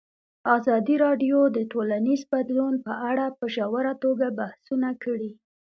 ازادي راډیو د ټولنیز بدلون په اړه په ژوره توګه بحثونه کړي.